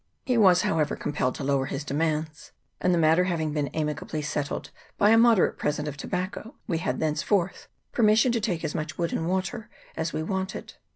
He was, however, compelled to lower his demands, and the matter having been amicably settled by a mo derate present of tobacco, we had thenceforth permis sion to take as much wood and water as we wanted.